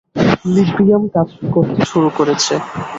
Librium কাজ করতে শুরু করেছে।